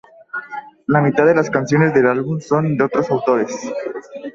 La mitad de las canciones del álbum son de otros autores.